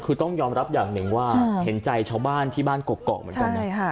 คือต้องยอมรับอย่างหนึ่งว่าเห็นใจชาวบ้านที่บ้านกกอกเหมือนกัน